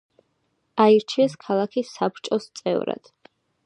აირჩიეს ქალაქის საბჭოს წევრად.